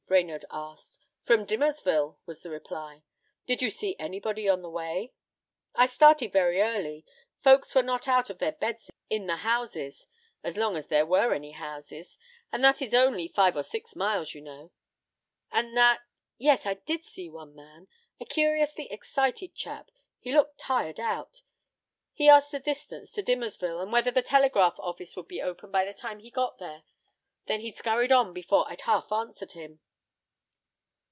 Brainerd asked. "From Dimmersville," was the reply. "Did you see anybody on the way?" "I started very early. Folks were not out of their beds in the houses as long as there were any houses and that is only for five or six miles, you know. After that yes I did see one man. A curiously excited chap. He looked tired out. He asked the distance to Dimmersville, and whether the telegraph office would be open by the time he got there. Then he skurried on before I'd half answered him."